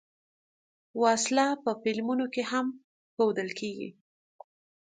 وسله په فلمونو کې هم ښودل کېږي